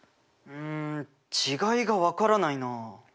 うん違いが分からないな。